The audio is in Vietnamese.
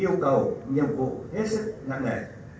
hết sức nặng nẻ